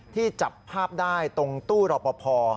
ที่จับภาพได้ตรงตู้รอบพอ